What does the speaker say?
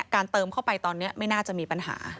ครับ